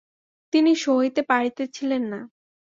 তিনি সহিতে পারিতেছিলেন না।